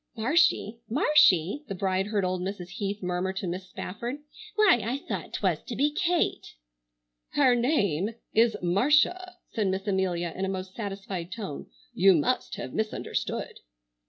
"Marshy! Marshy!" the bride heard old Mrs. Heath murmur to Miss Spafford. "Why, I thought 'twas to be Kate!" "Her name is Marcia," said Miss Amelia in a most satisfied tone; "you must have misunderstood."